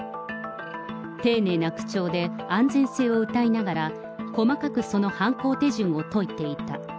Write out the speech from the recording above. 丁寧な口調で、安全性をうたいながら、細かくその犯行手順を説いていた。